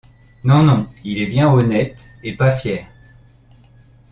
Non, non, il est bien honnête et pas fier...